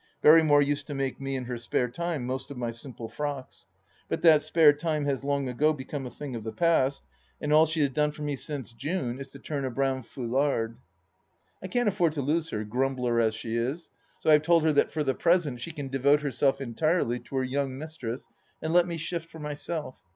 Berrjnnore used to make me, in her spare time, most of my simple frocks. But that spare time has long ago become a thing of the past, and 154 THE LAST DITCH all she has done foi me since June is to turn a brown foulard. I can't afford to lose her, grumbler as she is, so I have told her that for the present she can devote herself entirely to her young mistress and let me shift for myself.